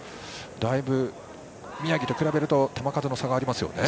だいぶ、宮城と比べると球数の差がありますね。